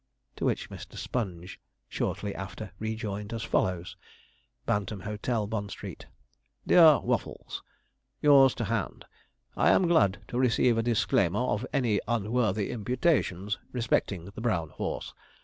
To which Mr. Sponge shortly after rejoined as follows: 'BANTAM HOTEL, BOND STREET. 'DEAR WAFFLES, 'Yours to hand I am glad to receive a disclaimer of any unworthy imputations respecting the brown horse.